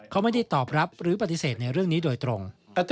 เขาไม่ได้ตอบรับหรือปฏิเสธในเรื่องนี้โดยตรง